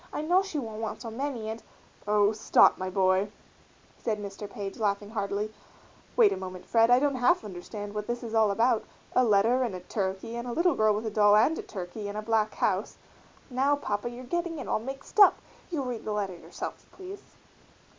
I know she won't want so many and " "Oh! stop, my boy," said Mr. Page, laughing heartily; "wait a moment, Fred, I don't half understand what this is all about a letter and a turkey and a little girl with a doll and a turkey in a black house " "Now, Papa, you're getting it all mixed up; you read the letter yourself, please."